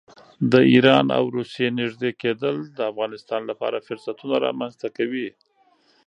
د ایران او روسیې نږدې کېدل د افغانستان لپاره فرصتونه رامنځته کوي.